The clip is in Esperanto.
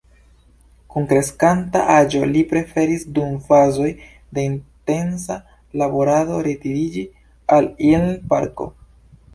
Kun kreskanta aĝo li preferis dum fazoj de intensa laborado retiriĝi al Ilm-parko.